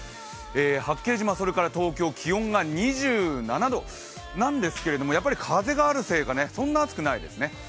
八景島、それから東京気温が２７度なんですけどやっぱり風があるせいか、そんなに暑くないですね。